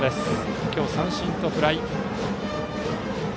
今日は三振とフライ。